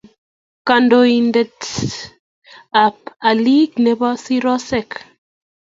Kandoinatet ab alik nebo sirosek